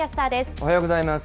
おはようございます。